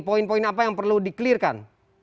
poin poin apa yang perlu di clear kan